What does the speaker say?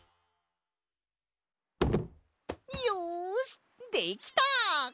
よしできた！